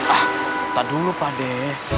ah kita dulu pak deh